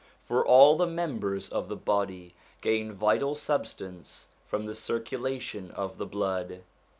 For all the members of the body gain vital substance from the circulation of the blood.